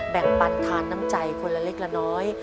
แบ่งปันทานน้ำใจคนละเล็กละน้อย